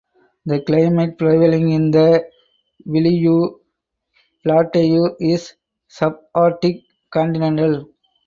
The climate prevailing in the Vilyuy Plateau is subarctic continental.